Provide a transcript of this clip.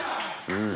うん。